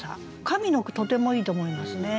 上の句とてもいいと思いますね。